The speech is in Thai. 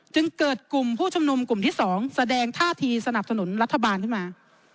จึงเกิดกลุ่มผู้ชุมนุมกลุ่มที่๒แสดงท่าทีสนับสนุนรัฐบาลขึ้นมา